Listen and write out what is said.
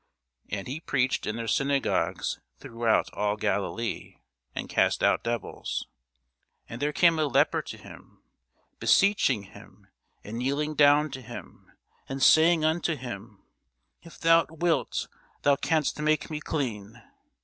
And he preached in their synagogues throughout all Galilee, and cast out devils. And there came a leper to him, beseeching him, and kneeling down to him, and saying unto him, If thou wilt, thou canst make me clean.